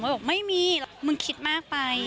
บอกไม่มีมึงคิดมากไป